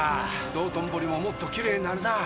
道頓堀ももっときれいになるなぁ。